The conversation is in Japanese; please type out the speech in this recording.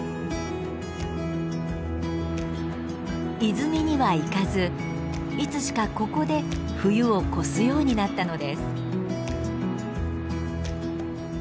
泉には行かずいつしかここで冬を越すようになったのです。